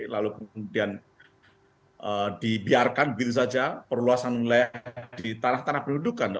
lalu kemudian dibiarkan begitu saja perluasan wilayah di tanah tanah pendudukan